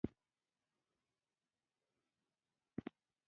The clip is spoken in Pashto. د نجلۍ سور پوړني ، پر سر، څپې څپې شو